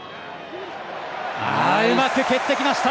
うまく蹴ってきました！